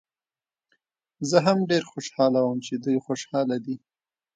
زه هم ډېر خوشحاله وم چې دوی خوشحاله دي.